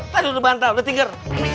tadi lo bantau lo tinggal